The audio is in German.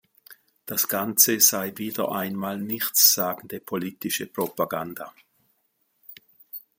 Das Ganze sei wieder einmal nichtssagende politische Propaganda.